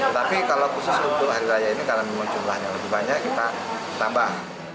tetapi kalau khusus untuk hari raya ini karena mengunjunglahnya lebih banyak kita tambah